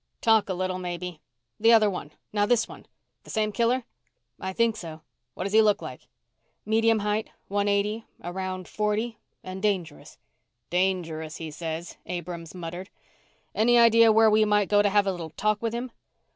"Talk a little, maybe. The other one now this one. The same killer?" "I think so." "What does he look like?" "Medium height. One eighty. Around forty. And dangerous." "Dangerous, he says," Abrams muttered. "Any idea where we might go to have a little talk with him?"